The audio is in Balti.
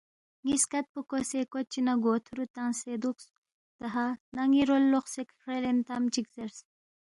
نی سکد پو کوسے کوچی نہ گو تھورو تنگسے دوکس دہانہ نی رول لوقسے کھڑیلین تم چک زیرس ۔